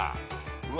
うわ！